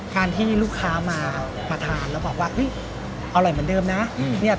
การที่ลูกค้ามาทานแล้วบอกว่าอร่อยเหมือนเดิมนะ